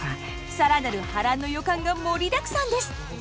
更なる波乱の予感が盛りだくさんです。